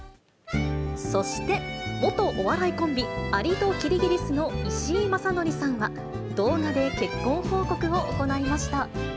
そして、元お笑いコンビ、アリｔｏキリギリスの石井正則さんは、動画で結婚報告を行いまし